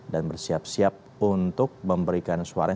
dan bersiap siap untuk memberikan suara